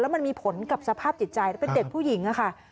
มันมีผลกับสภาพจิตใจแล้วเป็นเด็กผู้หญิงค่ะ